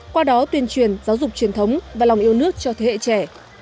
qua đó tuyên truyền giáo dục truyền thống và lòng yêu nước cho thế hệ trẻ